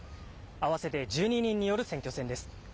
合わせて１２人による選挙戦です。